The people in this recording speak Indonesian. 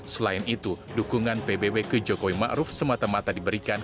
selain itu dukungan pbb ke jokowi ⁇ maruf ⁇ semata mata diberikan